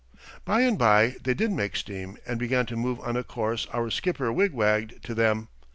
By and by they did make steam and begin to move on a course our skipper wigwagged to them.